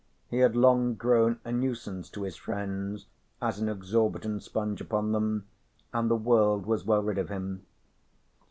He had long grown a nuisance to his friends as an exorbitant sponge upon them, and the world was well rid of him.